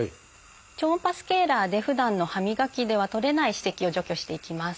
超音波スケーラーでふだんの歯磨きでは取れない歯石を除去していきます。